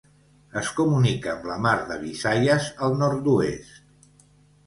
Es comunica amb la mar de Visayas al nord-oest.